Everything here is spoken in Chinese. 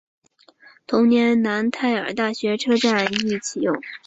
同年楠泰尔大学车站亦启用。